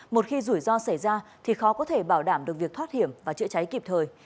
một khi rủi ro xảy ra thì khó có thể bảo đảm được việc thoát hiểm và chữa cháy kịp thời